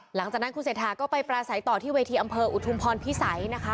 หลังจากนั้นคุณเศรษฐาก็ไปปราศัยต่อที่เวทีอำเภออุทุมพรพิสัยนะคะ